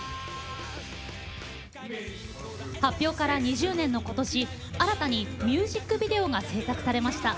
発表から２０年の今年新たにミュージックビデオが制作されました。